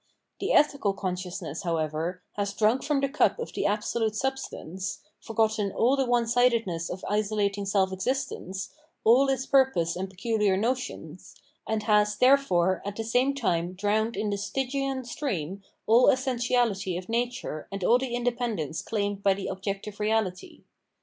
The ethical consciousness, however, has drunk from the cup of the absolute substance, forgotten all the one sidedness of isolating self existence, all its purposes and peculiar notions, and has, therefore, at the same time drowned in this Stygian stream all essentiahty of nature and all the independence claimed by the objective reality.